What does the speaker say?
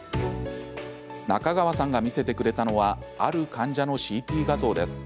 中川さんが見せてくれたのはある患者のＣＴ画像です。